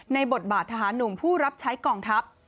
บทบาททหารหนุ่มผู้รับใช้กองทัพ